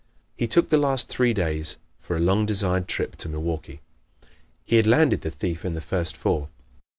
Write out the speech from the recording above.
He took the last three days for a long desired trip to Milwaukee. He had landed the thief in the first four.